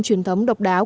truyền thống độc đáo